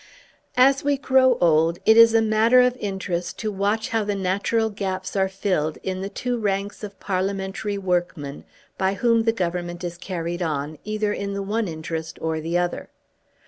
As we grow old it is a matter of interest to watch how the natural gaps are filled in the two ranks of parliamentary workmen by whom the Government is carried on, either in the one interest or the other.